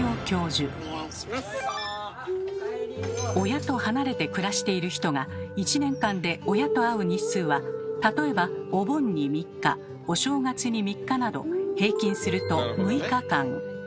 親と離れて暮らしている人が１年間で親と会う日数は例えばお盆に３日お正月に３日など平均すると６日間。